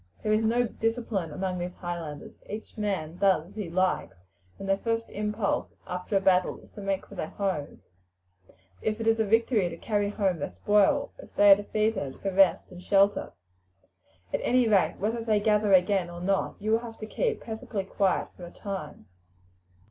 There is no discipline among these Highlanders. Each man does as he likes, and their first impulse after a battle is to make for their homes if it is a victory, to carry home their spoil; if they are defeated, for rest and shelter. At any rate, whether they gather again or not, you will have to keep perfectly quiet for a time.